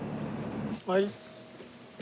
はい。